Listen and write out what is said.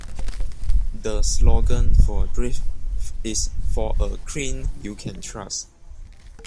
The slogan for Dreft is "For a Clean You Can Trust".